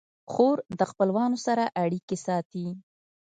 خور د خپلوانو سره اړیکې ساتي.